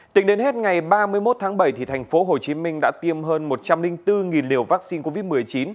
tính đến hết ngày ba mươi một tháng bảy thành phố hồ chí minh đã tiêm hơn một trăm linh bốn liều vaccine covid một mươi chín